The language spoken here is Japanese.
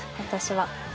私は。